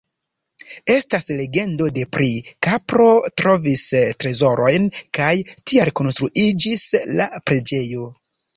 Estas legendo de pri: kapro trovis trezorojn kaj tial konstruiĝis la preĝejo.